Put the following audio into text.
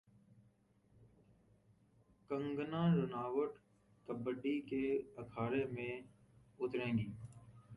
کنگنا رناوٹ کبڈی کے اکھاڑے میں اتریں گی